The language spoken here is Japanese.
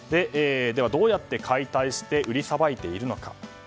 では、どうやって解体して売りさばいているのか。